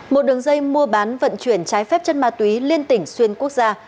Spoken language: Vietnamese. một đường dây mua bán vận chuyển trái phép chất ma túy liên tỉnh xuyên quốc gia